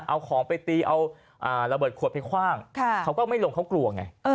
เอาของไปตีเอาระเบิดขวดไปคว่างเขาก็ไม่ลงเขากลัวไง